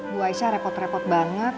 bu aisyah repot repot banget